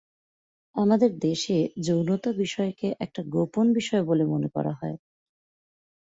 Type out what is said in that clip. আমাদের দেশে যৌনতা বিষয়কে একটা গোপন বিষয় বলে মনে করা হয়।